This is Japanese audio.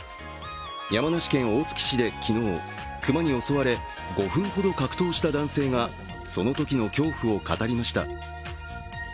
山梨県大月市で昨日、熊に襲われ、５分ほど格闘した男性がそのときの恐怖を語りました。